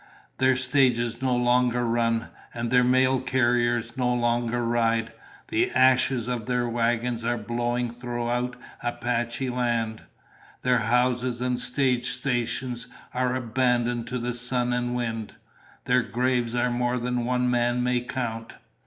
Their stages no longer run, and their mail carriers no longer ride. The ashes of their wagons are blowing throughout Apache land. Their houses and stage stations are abandoned to the sun and wind. Their graves are more than one man may count."